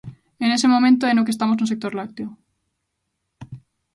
E nese momento é no que estamos no sector lácteo.